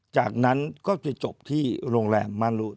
จากนั้นก็จะจบที่โรงแรมมารุ